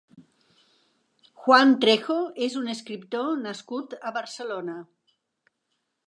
Juan Trejo és un escriptor nascut a Barcelona.